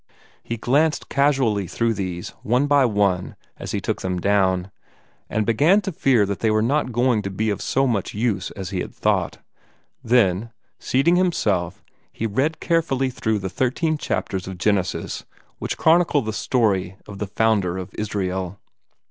He glanced casually through these, one by one, as he took them down, and began to fear that they were not going to be of so much use as he had thought. Then, seating himself, he read carefully through the thirteen chapters of Genesis which chronicle the story of the founder of Israel.